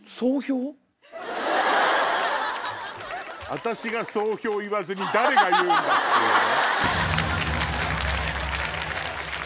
私が総評言わずに誰が言うんだ！っていうやつね。